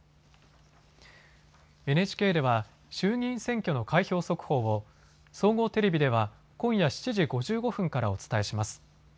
ＮＨＫでは衆議院選挙の開票速報を総合テレビでは今夜７時５５分からお伝えします。